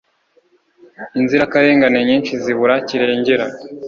Inzirakarengane nyinshi zibura kirengera